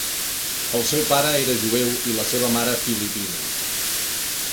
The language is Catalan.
El seu pare era jueu i la seva mare filipina.